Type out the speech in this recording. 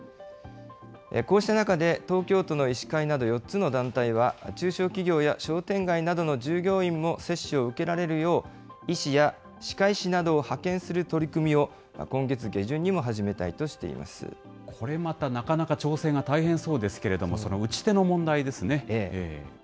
こうした中で、東京都の医師会など４つの団体は、中小企業や商店街などの従業員も接種を受けられるよう、医師や歯科医師などを派遣する取り組みを、今月下旬にも始めたいとしていまこれまたなかなか調整が大変そうですけれども、打ち手の問題ですね。